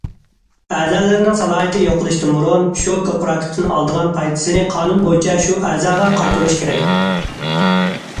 ئەزالىرىنىڭ سالاھىيىتى يوقىلىشتىن بۇرۇن شۇ كوپىراتىپتىن ئالىدىغان پايدىسىنى قانۇن بويىچە شۇ ئەزاغا قايتۇرۇش كېرەك.